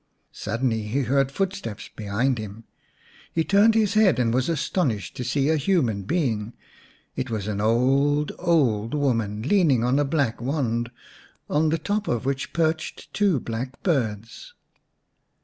Suddenly he heard footsteps behind him. He turned his head, and was astonished to see a human being. It was an old old woman leaning on a black wand, on the top of which perched two black birds.